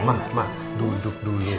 ma duduk dulu